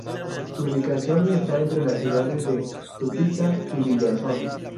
Su ubicación está entre las ciudades de Tupiza y Villazón.